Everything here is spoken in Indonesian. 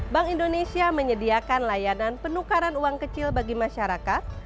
bank indonesia menyediakan layanan penukaran uang kecil bagi masyarakat